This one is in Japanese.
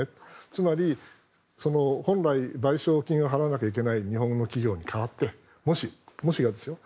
つまり、本来賠償金を支払わなきゃいけない日本の企業に代わってもし、もしですよ。